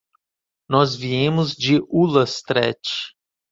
Nós viemos de Ullastret.